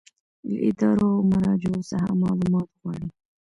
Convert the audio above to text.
له ادارو او مراجعو څخه معلومات غواړي.